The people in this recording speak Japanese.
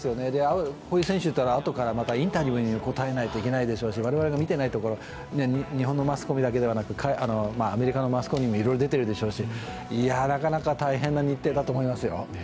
こういう選手は、あとからインタビューに答えないといけないでしょうし、我々が見ていないところ、日本のマスコミだけではなくアメリカのマスコミにもいろいろ出ているでしょうしなかなか大変な日程だと思いますよ。